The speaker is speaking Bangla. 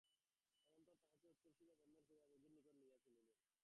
অনন্তর তাহাকে উত্তরীয়বস্ত্রে বন্ধন করিয়া যোগীর নিকট লইয়া চলিলেন।